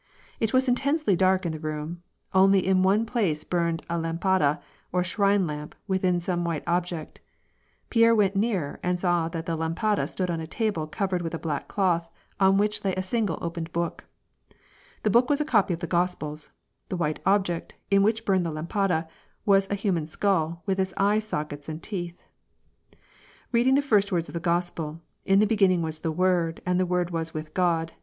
It was intensely dark in the room, only in one place burned a lampada, or shrine lamp, within some white object. Pierre went nearer, and saw that the lampada stood on a table covered with a black cloth, on which lay a single opened book. The book was a copy of the Gospels ; the white object, in which hnmed the lampada, was a human skull, with its eye sockets and teeth. Heading the first words of the Gospel :^' In the [ beginning was the Word, and the Word was with G^d."